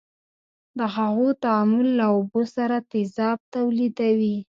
د هغو تعامل له اوبو سره تیزاب تولیدوي.